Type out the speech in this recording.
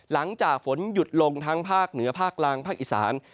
หลังจากฝนหยุดลงทั้งภาคเหนือภาคล่างภาคอีสาน